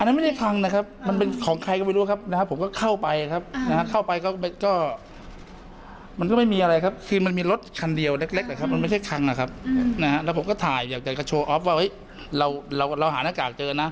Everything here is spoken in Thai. มันมีรถคันเดียวเล็กมันไม่ใช่คังนะครับผมก็ถ่ายอยากจะโชว์ออฟว่าเราหาน้ากากเจอนะ